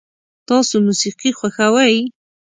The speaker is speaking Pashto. تاسو موسیقي خوښوئ؟